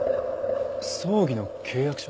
葬儀の契約書？